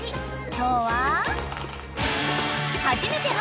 今日は］